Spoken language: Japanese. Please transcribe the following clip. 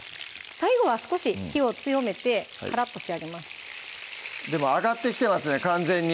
最後は少し火を強めてカラッと仕上げますでも揚がってきてますね完全に！